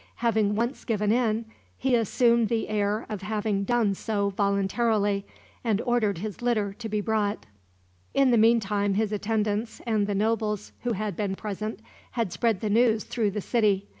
Having once given in, he assumed the air of having done so voluntarily, and ordered his litter to be brought. In the meantime his attendants, and the nobles who had been present, had spread the news through the city.